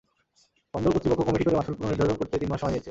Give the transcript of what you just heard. বন্দর কর্তৃপক্ষ কমিটি করে মাশুল পুনর্নির্ধারণ করতে তিন মাস সময় নিয়েছে।